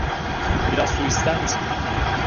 Biraz su ister misin?